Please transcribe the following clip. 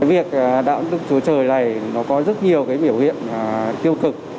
việc đạo đức chúa trời này nó có rất nhiều biểu hiện tiêu cực